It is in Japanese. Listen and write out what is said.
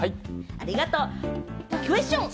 ありがとう、クエスチョン。